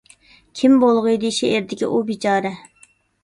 كىم بولغىيدى شېئىردىكى ئۇ بىچارە؟